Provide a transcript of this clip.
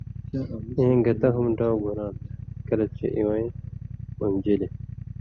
(اېں گتہ ہُم ڈاؤ گھُراں تھہ) کلہۡ چے اِوَیں بنژِلیۡ